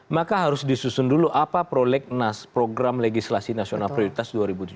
maka harus disusun dulu apa prolegnas program legislasi nasional prioritas dua ribu tujuh belas